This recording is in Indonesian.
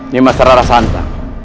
nyi rata santang